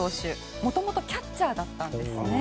もともとキャッチャーだったんです。